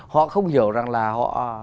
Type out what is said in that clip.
họ không hiểu rằng là họ